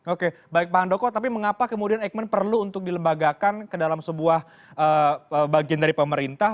oke baik pak handoko tapi mengapa kemudian eijkman perlu untuk dilembagakan ke dalam sebuah bagian dari pemerintah